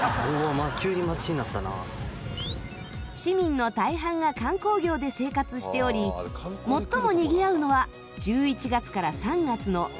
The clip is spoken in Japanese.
市民の大半が観光業で生活しており最もにぎわうのは１１月から３月の夏のシーズン。